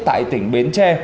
tại tỉnh bến tre